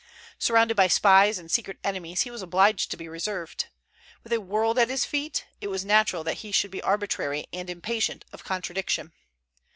Surrounded by spies and secret enemies, he was obliged to be reserved. With a world at his feet, it was natural that he should be arbitrary and impatient of contradiction.